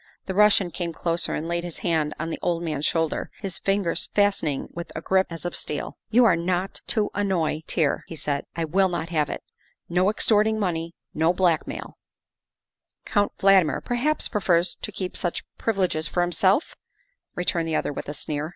The Russian came closer and laid his hand on the old man's shoulder, his fingers fastening with a grip as of steel. " You are not to annoy Tier," he said, " I will not have it. No extorting money, no blackmail " Count Valdmir perhaps prefers to keep such privi leges for himself," returned the other with a sneer.